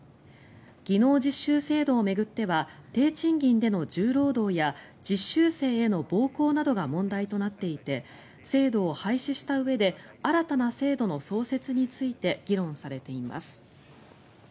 技能実習制度を巡っては低賃金での重労働や実習生への暴行などが問題となっていて制度を廃止したうえで新たな制度の創設について議論されています。